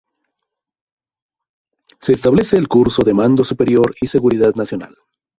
Se establece el Curso de "Mando Superior y Seguridad Nacional".